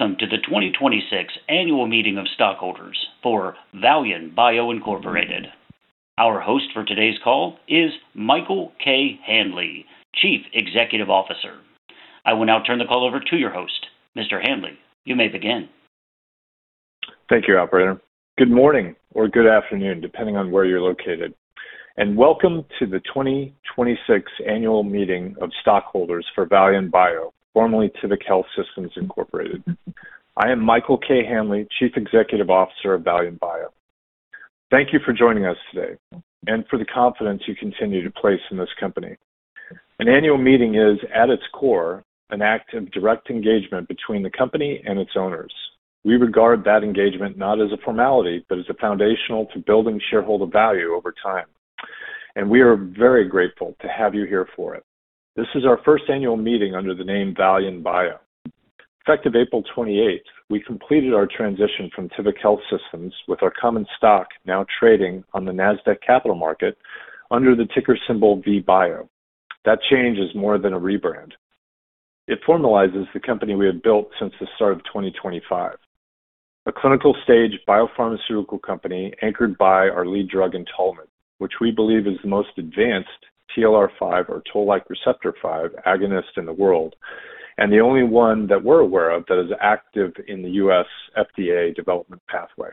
Welcome to the 2026 Annual Meeting of Stockholders for Valion Bio, Inc.. Our host for today's call is Michael K. Handley, Chief Executive Officer. I will now turn the call over to your host. Mr. Handley, you may begin. Thank you, operator. Good morning or good afternoon, depending on where you're located, and welcome to the 2026 Annual Meeting of Stockholders for Valion Bio, formerly Tivic Health Systems Incorporated. I am Michael K. Handley, Chief Executive Officer of Valion Bio. Thank you for joining us today and for the confidence you continue to place in this company. An annual meeting is, at its core, an act of direct engagement between the company and its owners. We regard that engagement not as a formality, but as a foundational to building shareholder value over time. We are very grateful to have you here for it. This is our first annual meeting under the name Valion Bio. Effective April 28th, we completed our transition from Tivic Health Systems with our common stock now trading on the Nasdaq Capital Market under the ticker symbol VBIO. That change is more than a rebrand. It formalizes the company we have built since the start of 2025, a clinical-stage biopharmaceutical company anchored by our lead drug, entolimod, which we believe is the most advanced TLR5, or Toll-like receptor 5, agonist in the world, and the only one that we're aware of that is active in the U.S. FDA development pathway.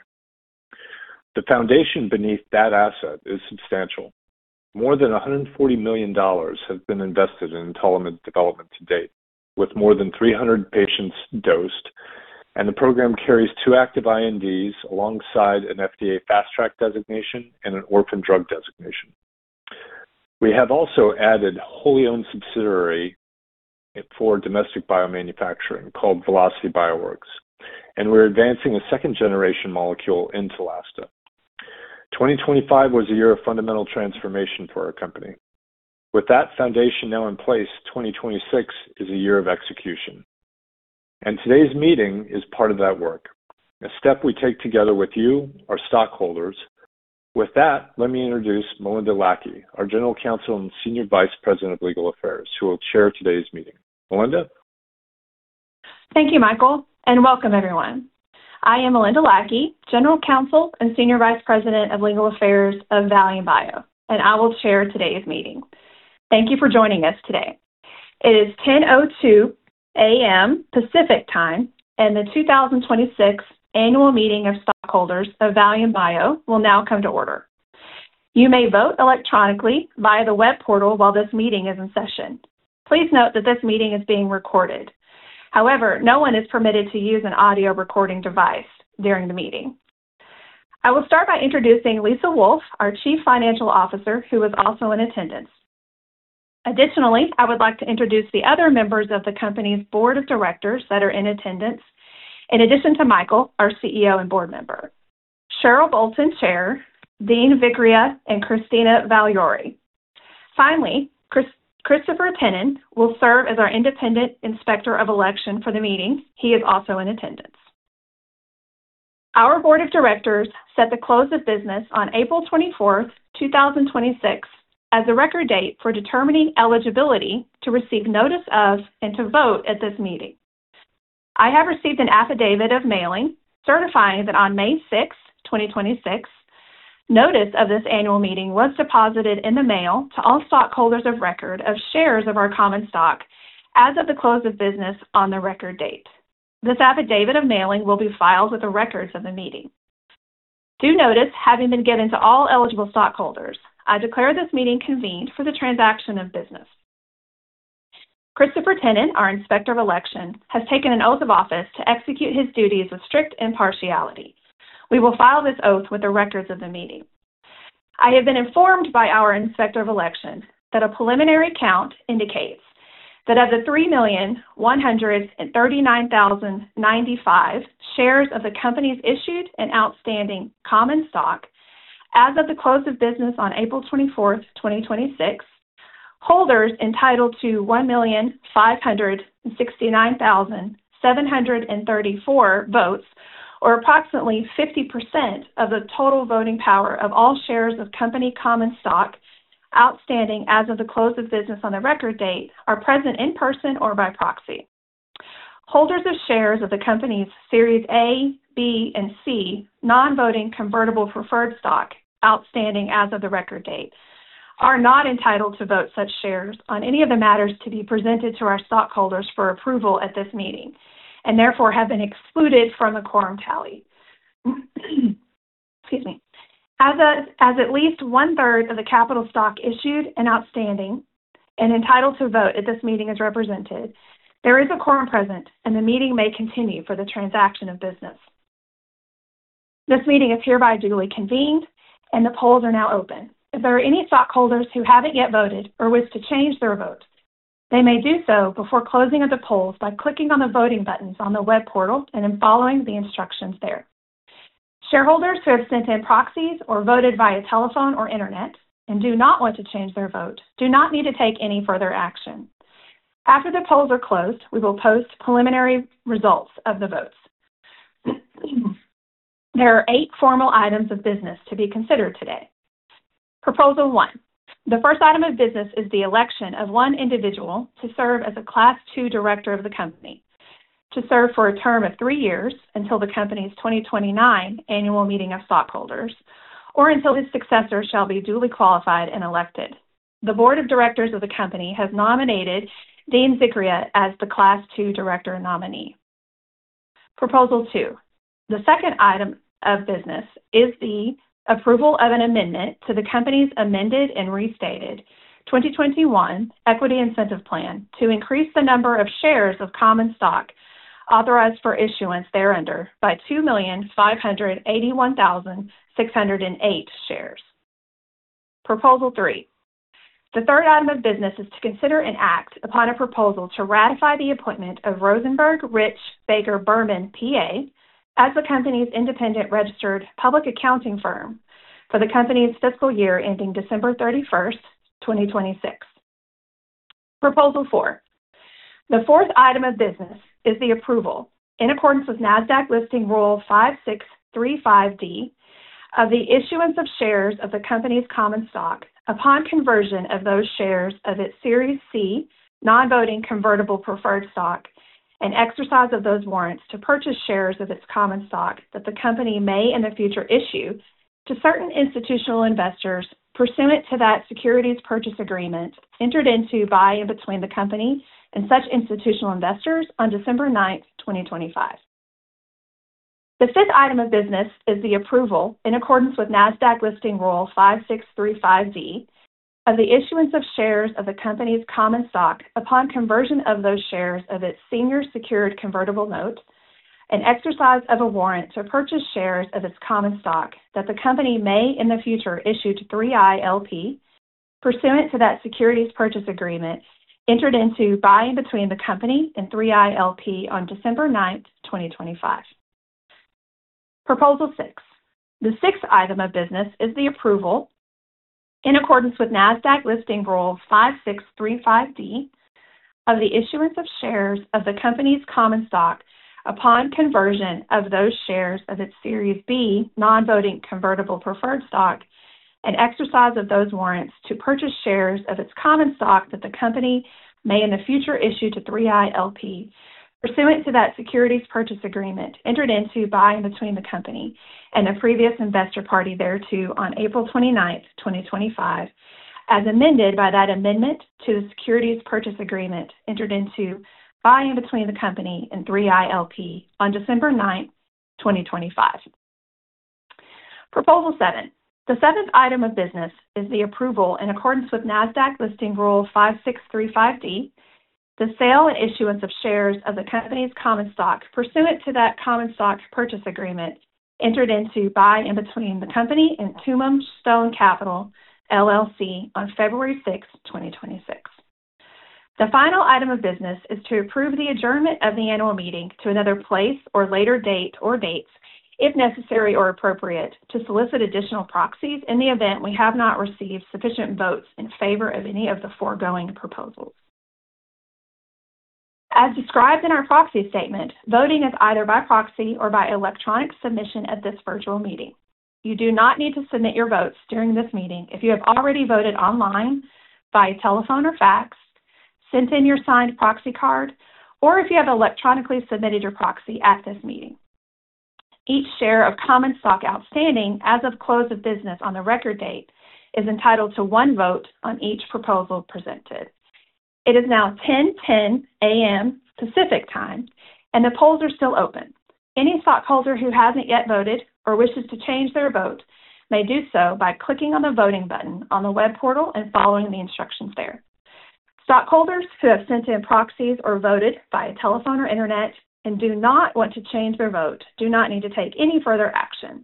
The foundation beneath that asset is substantial. More than $140 million has been invested in entolimod development to date, with more than 300 patients dosed. The program carries two active INDs alongside an FDA Fast Track designation and an Orphan Drug designation. We have also added wholly owned subsidiary for domestic biomanufacturing called Velocity Bioworks. We're advancing a second-generation molecule, Entolasta. 2025 was a year of fundamental transformation for our company. With that foundation now in place, 2026 is a year of execution. Today's meeting is part of that work, a step we take together with you, our stockholders. With that, let me introduce Melinda Lackey, our General Counsel and Senior Vice President of Legal Affairs, who will chair today's meeting. Melinda? Thank you, Michael, and welcome everyone. I am Melinda Lackey, General Counsel and Senior Vice President of Legal Affairs of Valion Bio, and I will chair today's meeting. Thank you for joining us today. It is 10:02 A.M. Pacific Time, and the 2026 Annual Meeting of Stockholders of Valion Bio will now come to order. You may vote electronically via the web portal while this meeting is in session. Please note that this meeting is being recorded. However, no one is permitted to use an audio recording device during the meeting. I will start by introducing Lisa Wolf, our Chief Financial Officer, who is also in attendance. Additionally, I would like to introduce the other members of the company's Board of Directors that are in attendance, in addition to Michael, our CEO and Board Member. Sheryle Bolton, Chair, Dean Zikria, and Christina Valauri. Finally, Christopher Tinnon will serve as our independent Inspector of Election for the meeting. He is also in attendance. Our board of directors set the close of business on April 24th, 2026, as the record date for determining eligibility to receive notice of and to vote at this meeting. I have received an affidavit of mailing certifying that on May 6th, 2026, notice of this annual meeting was deposited in the mail to all stockholders of record of shares of our common stock as of the close of business on the record date. This affidavit of mailing will be filed with the records of the meeting. Due notice having been given to all eligible stockholders, I declare this meeting convened for the transaction of business. Christopher Tinnon, our Inspector of Election, has taken an oath of office to execute his duties with strict impartiality. We will file this oath with the records of the meeting. I have been informed by our Inspector of Election that a preliminary count indicates that of the 3,139,095 shares of the company's issued and outstanding common stock as of the close of business on April 24th, 2026, holders entitled to 1,569,734 votes, or approximately 50% of the total voting power of all shares of company common stock outstanding as of the close of business on the record date, are present in person or by proxy. Holders of shares of the company's Series A, B, and C non-voting convertible preferred stock outstanding as of the record date are not entitled to vote such shares on any of the matters to be presented to our stockholders for approval at this meeting and therefore have been excluded from the quorum tally. Excuse me. As at least one-third of the capital stock issued and outstanding and entitled to vote at this meeting is represented, there is a quorum present, and the meeting may continue for the transaction of business. This meeting is hereby duly convened, and the polls are now open. If there are any stockholders who haven't yet voted or wish to change their vote, they may do so before closing of the polls by clicking on the voting buttons on the web portal and then following the instructions there. Shareholders who have sent in proxies or voted via telephone or internet and do not want to change their vote do not need to take any further action. After the polls are closed, we will post preliminary results of the votes. There are eight formal items of business to be considered today. Proposal one. The first item of business is the election of one individual to serve as a Class 2 Director of the company, to serve for a term of three years until the company's 2029 annual meeting of stockholders, or until his successor shall be duly qualified and elected. The Board of Directors of the company has nominated Dean Zikria as the Class 2 Director nominee. Proposal two. The second item of business is the approval of an amendment to the company's Amended and Restated 2021 Equity Incentive Plan to increase the number of shares of common stock authorized for issuance thereunder by 2,581,608 shares. Proposal three. The third item of business is to consider an act upon a proposal to ratify the appointment of Rosenberg, Rich, Baker, Berman, P.A. as the company's independent registered public accounting firm for the company's fiscal year ending December 31st, 2026. Proposal four. The fourth item of business is the approval, in accordance with Nasdaq Listing Rule 5635(d), of the issuance of shares of the company's common stock upon conversion of those shares of its Series C non-voting convertible preferred stock and exercise of those warrants to purchase shares of its common stock that the company may in the future issue to certain institutional investors pursuant to that securities purchase agreement entered into by and between the company and such institutional investors on December 9th, 2025. The fifth item of business is the approval, in accordance with Nasdaq Listing Rule 5635(d), of the issuance of shares of the company's common stock upon conversion of those shares of its senior secured convertible notes and exercise of a warrant to purchase shares of its common stock that the company may in the future issue to 3i, LP pursuant to that securities purchase agreement entered into by and between the company and 3i, LP on December 9th, 2025. Proposal six. The sixth item of business is the approval, in accordance with Nasdaq Listing Rule 5635(d), of the issuance of shares of the company's common stock upon conversion of those shares of its Series B non-voting convertible preferred stock and exercise of those warrants to purchase shares of its common stock that the company may in the future issue to 3i, LP pursuant to that securities purchase agreement entered into by and between the company and a previous investor party thereto on April 29th, 2025, as amended by that amendment to the securities purchase agreement entered into by and between the company and 3i, LP on December 9th, 2025. Proposal seven. The seventh item of business is the approval, in accordance with Nasdaq Listing Rule 5635(d), the sale and issuance of shares of the company's common stock pursuant to that common stock purchase agreement entered into by and between the company and Tumim Stone Capital LLC on February 6, 2026. The final item of business is to approve the adjournment of the annual meeting to another place or later date or dates if necessary or appropriate to solicit additional proxies in the event we have not received sufficient votes in favor of any of the foregoing proposals. As described in our proxy statement, voting is either by proxy or by electronic submission at this virtual meeting. You do not need to submit your votes during this meeting if you have already voted online, by telephone or fax, sent in your signed proxy card, or if you have electronically submitted your proxy at this meeting. Each share of common stock outstanding as of close of business on the record date is entitled to one vote on each proposal presented. It is now 10:10 A.M. Pacific Time, and the polls are still open. Any stockholder who hasn't yet voted or wishes to change their vote may do so by clicking on the voting button on the web portal and following the instructions there. Stockholders who have sent in proxies or voted via telephone or internet and do not want to change their vote do not need to take any further action.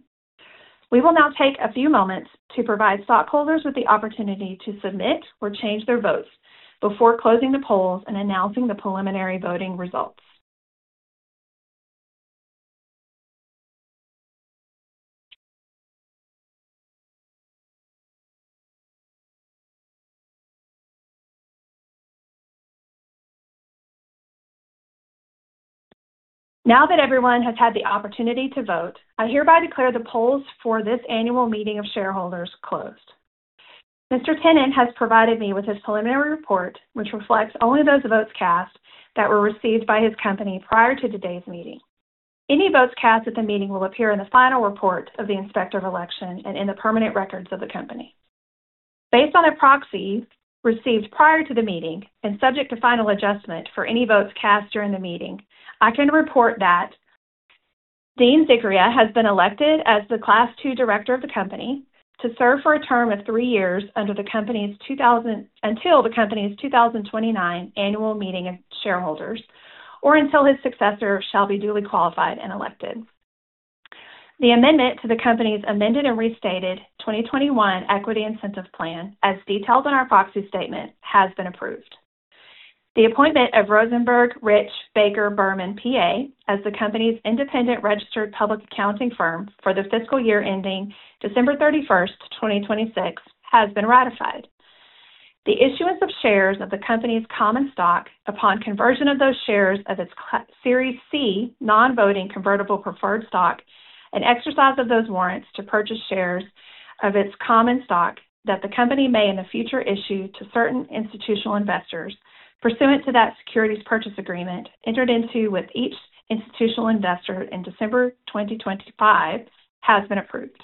We will now take a few moments to provide stockholders with the opportunity to submit or change their votes before closing the polls and announcing the preliminary voting results. Now that everyone has had the opportunity to vote, I hereby declare the polls for this annual meeting of shareholders closed. Mr. Tinnon has provided me with his preliminary report, which reflects only those votes cast that were received by his company prior to today's meeting. Any votes cast at the meeting will appear in the final report of the Inspector of Election and in the permanent records of the company. Based on the proxies received prior to the meeting, and subject to final adjustment for any votes cast during the meeting, I can report that Dean Zikria has been elected as the Class 2 Director of the company to serve for a term of three years until the company's 2029 annual meeting of shareholders, or until his successor shall be duly qualified and elected. The amendment to the company's Amended and Restated 2021 Equity Incentive Plan, as detailed in our proxy statement, has been approved. The appointment of Rosenberg Rich Baker Berman, P.A. As the company's independent registered public accounting firm for the fiscal year ending December 31st, 2026, has been ratified. The issuance of shares of the company's common stock upon conversion of those shares of its Series C non-voting convertible preferred stock and exercise of those warrants to purchase shares of its common stock that the company may in the future issue to certain institutional investors pursuant to that securities purchase agreement entered into with each institutional investor in December 2025 has been approved.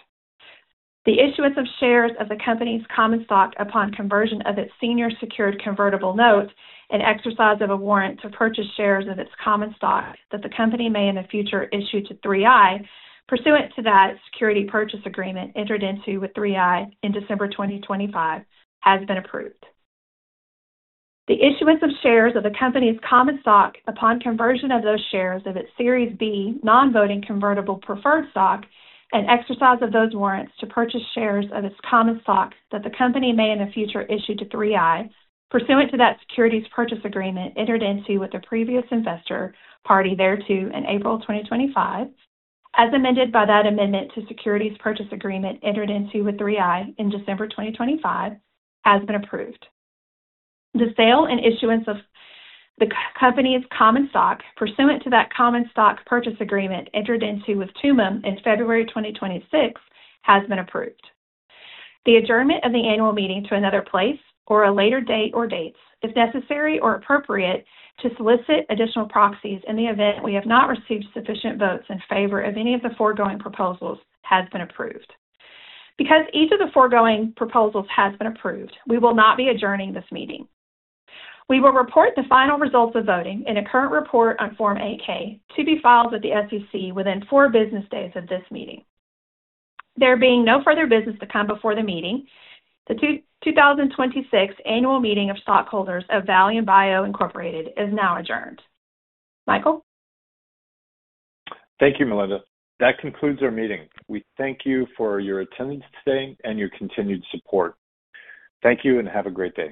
The issuance of shares of the company's common stock upon conversion of its senior secured convertible notes and exercise of a warrant to purchase shares of its common stock that the company may in the future issue to 3i pursuant to that security purchase agreement entered into with 3i in December 2025 has been approved. The issuance of shares of the company's common stock upon conversion of those shares of its Series B non-voting convertible preferred stock and exercise of those warrants to purchase shares of its common stock that the company may in the future issue to 3i pursuant to that securities purchase agreement entered into with the previous investor party thereto in April 2025, as amended by that amendment to securities purchase agreement entered into with 3i in December 2025, has been approved. The sale and issuance of the company's common stock pursuant to that common stock purchase agreement entered into with Tumim in February 2026 has been approved. The adjournment of the annual meeting to another place or a later date or dates, if necessary or appropriate, to solicit additional proxies in the event we have not received sufficient votes in favor of any of the foregoing proposals has been approved. Because each of the foregoing proposals has been approved, we will not be adjourning this meeting. We will report the final results of voting in a current report on Form 8-K to be filed with the SEC within four business days of this meeting. There being no further business to come before the meeting, the 2026 Annual Meeting of Stockholders of Valion Bio Incorporated is now adjourned. Michael? Thank you, Melinda. That concludes our meeting. We thank you for your attendance today and your continued support. Thank you, and have a great day.